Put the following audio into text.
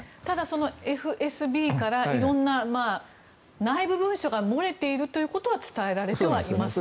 ただ、ＦＳＢから色々な内部文書が漏れているということは伝えられてはいますよね。